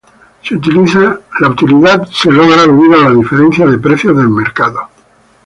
La utilidad se logra debido a la diferencia de precios de mercado.